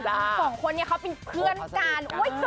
สองคนนี้เขาเป็นเพื่อนกัน